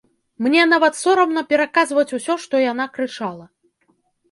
Мне нават сорамна пераказваць усё, што яна крычала.